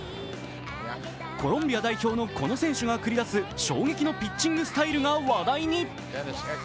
コロンビア代表のこの選手が繰り出す衝撃のピッチングスタイルが話題に。